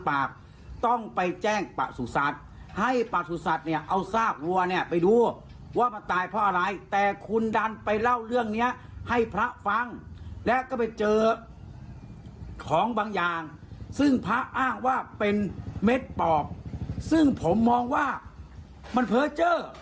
อ้างว่าเป็นเม็ดปอบซึ่งผมมองว่ามันเผลอเจอ